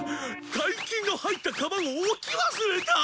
大金の入ったカバンを置き忘れた。